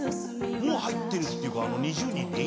「もう入ってるっていうか２０人に？」